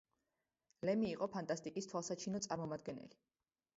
ლემი იყო ფანტასტიკის თვალსაჩინო წარმომადგენელი.